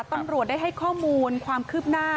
ตำรวจได้ให้ข้อมูลความคืบหน้า